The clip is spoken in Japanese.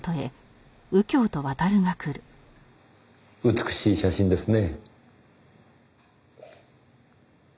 美しい写真ですね。